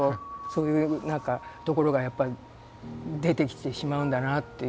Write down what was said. そういうところがやっぱり出てきてしまうんだなっていうのを。